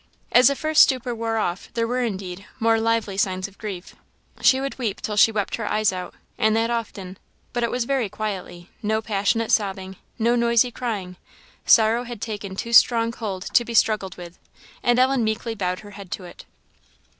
As the first stupor wore off, there were, indeed, more lively signs of grief; she would weep till she wept her eyes out, and that often, but it was very quietly; no passionate sobbing, no noisy crying; sorrow had taken too strong hold to be struggled with, and Ellen meekly bowed her head to it.